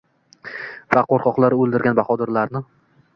Va qo‘rqoqlar o‘ldirgan bahodirlarni.